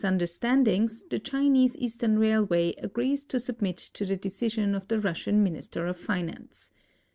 '3 derstandings the Chinese Eastern Railway agrees to sul)niit to the decision of the Russian Minister of Finance.